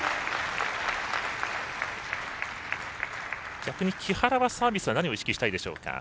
逆に木原はサービスは何を意識したいでしょうか。